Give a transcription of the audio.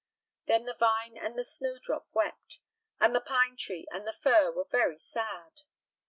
Then the vine and the snowdrop wept, and the pine tree and the fir were very sad.